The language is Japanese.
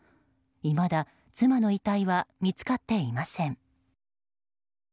いまだ妻の遺体は見つかっていません。